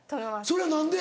それは何で？